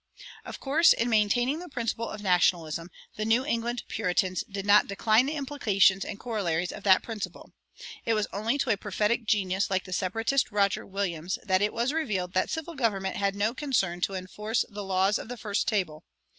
Of course, in maintaining the principle of Nationalism, the New England Puritans did not decline the implications and corollaries of that principle. It was only to a prophetic genius like the Separatist Roger Williams that it was revealed that civil government had no concern to enforce "the laws of the first table."